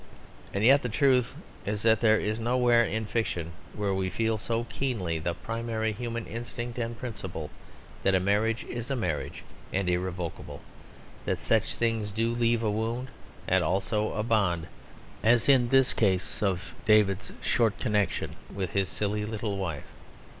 And yet the truth is that there is nowhere in fiction where we feel so keenly the primary human instinct and principle that a marriage is a marriage and irrevocable, that such things do leave a wound and also a bond as in this case of David's short connection with his silly little wife.